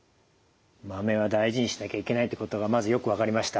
豆は大事にしなきゃいけないってことがまずよく分かりました。